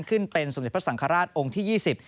ขึ้นเป็นสมเด็จพระสังฆราชองค์ที่๒๐